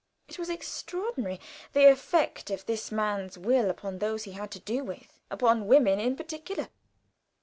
It was extraordinary, the effect of this man's will upon those he had to do with upon women in particular.